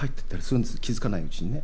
気付かないうちにね。